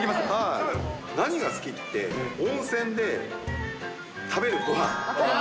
何が好きって、温泉で食べるごはん。